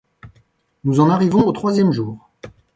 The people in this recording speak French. Nous en arrivons au troisième jour.